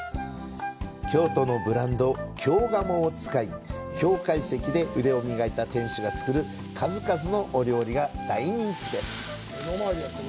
京都のブランド、京鴨を使い京懐石で腕を磨いた店主が作る数々のお料理が人気です。